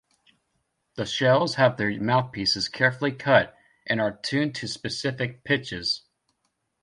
The shells have their mouthpieces carefully cut and are tuned to specific pitches.